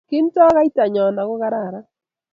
kinto kaitanyo ako kararan